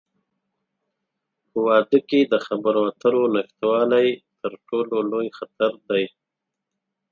په واده کې د خبرو اترو نشتوالی، تر ټولو لوی خطر دی.